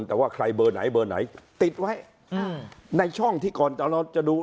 แต่ว่าใครเบอร์ไหนเบอร์ไหนติดไว้ในช่องที่ก่อนเราจะดู